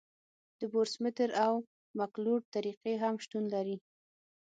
د بورمستر او مکلوډ طریقې هم شتون لري